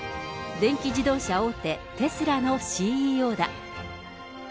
電気自動車大手、テスラのＣＥＯだ。